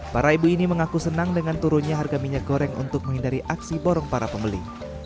para ibu ini mengaku senang dengan turunnya harga minyak goreng untuk menghindari aksi borong para pembeli